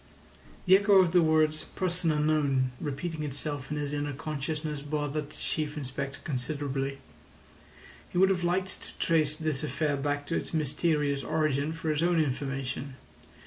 The echo of the words "Person unknown" repeating itself in his inner consciousness bothered the Chief Inspector considerably. He would have liked to trace this affair back to its mysterious origin for his own information.